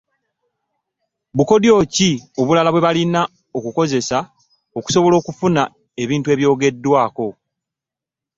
Bukodyo ki obulala bwe balina okukozesa okusobola okufuna ebintu ebyogeddwako?